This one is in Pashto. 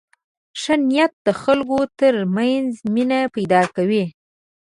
ښه نیت د خلکو تر منځ مینه پیدا کوي.